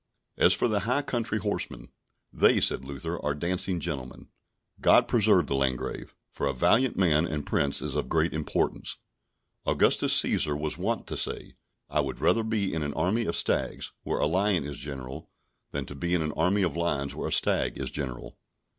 As for the high country horsemen, they, said Luther, are dancing gentlemen. God preserve the Landgrave; for a valiant man and Prince is of great importance. Augustus Cæsar was wont to say, "I would rather be in an army of stags, where a lion is general, than to be in an army of lions where a stag is general."